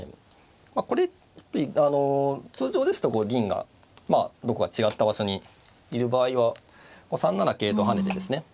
まあこれ通常ですとこう銀がまあどこか違った場所にいる場合は３七桂と跳ねてですね